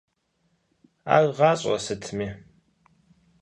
Ар гъащӀэ сытми?